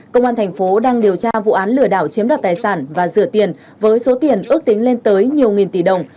công an thành phố đang điều tra vụ án lừa đảo chiếm đoạt tài sản và rửa tiền với số tiền ước tính lên tới nhiều nghìn tỷ đồng